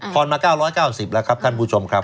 อนมา๙๙๐แล้วครับท่านผู้ชมครับ